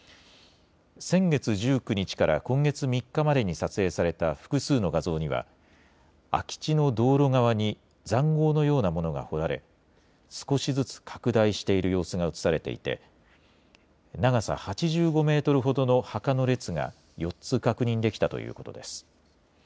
先月１９日から今月３日までに撮影された複数の画像には、空き地の道路側にざんごうのようなものが掘られ、少しずつ拡大している様子が写されていて、長さ８５メートルほどの墓の列が、４つ確認できたということです。